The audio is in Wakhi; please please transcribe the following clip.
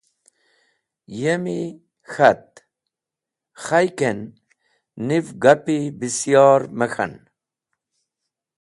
Yemi k̃hat, khay ken,: Niv gapi bisyor me k̃han.